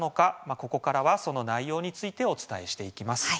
ここからはその内容についてお伝えしていきます。